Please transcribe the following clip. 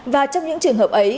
và trong những trường hợp ấy